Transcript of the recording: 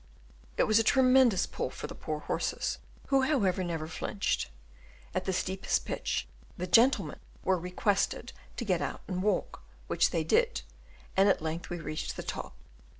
It was a tremendous pull for the poor horses, who however never flinched; at the steepest pinch the gentlemen were requested to get out and walk, which they did, and at length we reached the top.